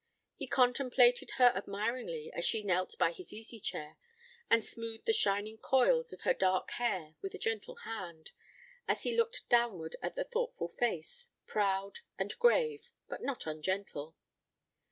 He contemplated her admiringly as she knelt by his easy chair, and smoothed the shining coils of her dark hair with a gentle hand, as he looked downward at the thoughtful face proud and grave, but not ungentle.